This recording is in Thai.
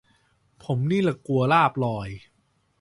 ผมนี่ล่ะกลัวลาบลอย